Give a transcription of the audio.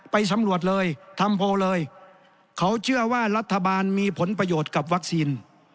ไปสำรวจเลยทำโพลเลยเขาเชื่อว่ารัฐบาลมีผลประโยชน์กับวัคซีน